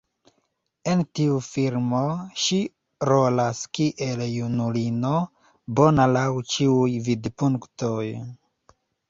En tiu filmo, ŝi rolas kiel junulino, bona laŭ ĉiuj vidpunktoj.